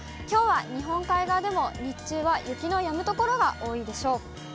きょうは日本海側でも日中は雪のやむ所が多いでしょう。